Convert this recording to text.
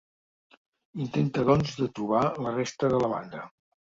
Intenta doncs de trobar la resta de la banda.